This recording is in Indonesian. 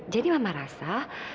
jadi mama rasa